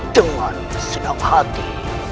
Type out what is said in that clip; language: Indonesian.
dengan senang hati